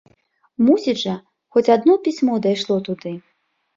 Мусіць жа, хоць адно пісьмо дайшло туды!